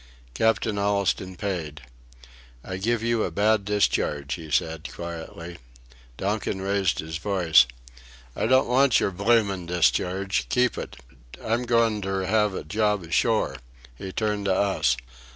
Captain Allistoun paid. "I give you a bad discharge," he said, quietly. Donkin raised his voice: "I don't want your bloomin' discharge keep it. I'm goin' ter 'ave a job ashore." He turned to us.